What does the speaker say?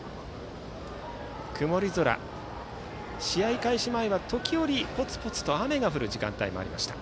曇り空、試合開始前は時折ぽつぽつと雨が降る時間帯もありました。